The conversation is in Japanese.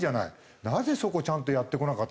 なぜそこをちゃんとやってこなかったんだよ。